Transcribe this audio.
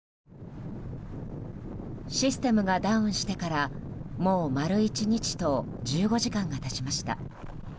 システムがダウンしてからもう丸１日と１５時間が経ちました。